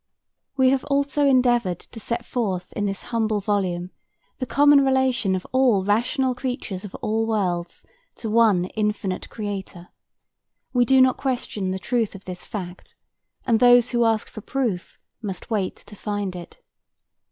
We have also endeavored to set forth in this humble volume the common relation of all rational creatures of all worlds to one Infinite Creator. We do not question the truth of this fact, and those who ask for proof must wait to find it.